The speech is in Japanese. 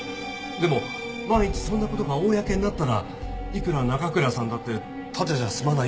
でも万一そんな事が公になったらいくら奈可倉さんだってただじゃ済まないっていうか。